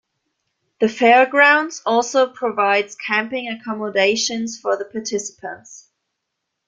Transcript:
The fairgrounds also provides camping accommodations for the participants.